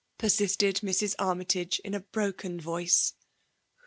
peraisted Mrs. Armytage, in a broken voice.